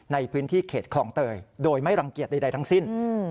ในพื้นที่เขตคลองเตยโดยไม่รังเกียจใดทั้งสิ้น